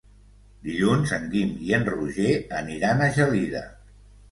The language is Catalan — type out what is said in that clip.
Dilluns en Guim i en Roger aniran a Gelida.